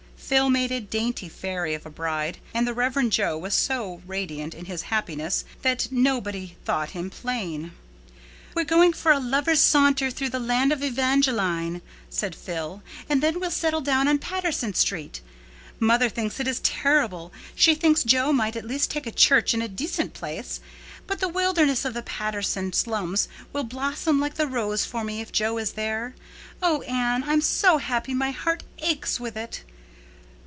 Phil made a dainty fairy of a bride, and the Rev. Jo was so radiant in his happiness that nobody thought him plain. "We're going for a lovers' saunter through the land of Evangeline," said Phil, "and then we'll settle down on Patterson Street. Mother thinks it is terrible—she thinks Jo might at least take a church in a decent place. But the wilderness of the Patterson slums will blossom like the rose for me if Jo is there. Oh, Anne, I'm so happy my heart aches with it."